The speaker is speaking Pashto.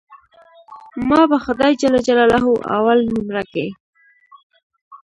ما به خداى جل جلاله اول نؤمره کي.